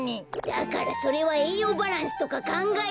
だからそれはえいようバランスとかかんがえて。